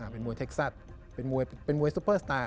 เป็นมวยเท็กซัสเป็นมวยซูเปอร์สตาร์